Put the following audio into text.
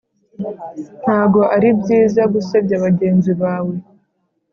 ntago ari byiza gusebya bagenzi bawe